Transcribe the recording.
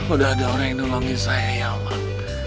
udah ada orang yang nolongin saya ya pak